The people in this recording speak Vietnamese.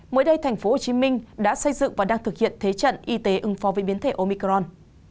mới đây tp hcm đã xây dựng và đang thực hiện thế trận y tế ứng phó với biến thể omicron